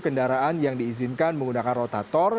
kendaraan yang diizinkan menggunakan rotator